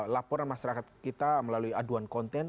laporan masyarakat kita melalui aduan konten